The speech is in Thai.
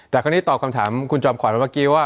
แต่คราวนี้ตอบคำถามคุณจอมขวัญเมื่อกี้ว่า